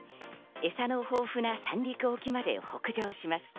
えさの豊富な三陸沖まで北上します。